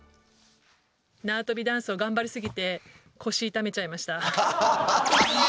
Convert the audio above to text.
「縄跳びダンスを頑張り過ぎて腰痛めちゃいました」。